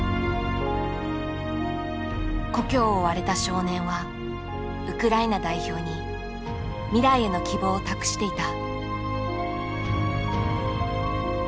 故郷を追われた少年はウクライナ代表に未来への希望を託していた。